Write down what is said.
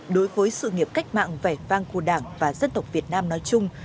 đối với sự nghiệp cách mạng vẻ vang của đảng và dân tộc việt nam nói chung